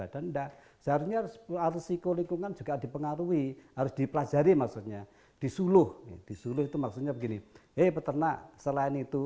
desinfeksi atau sanitasi itu